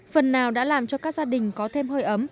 phần nào đã làm cho các gia đình có thêm hơi ấm